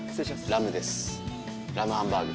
ラムですラムハンバーグ。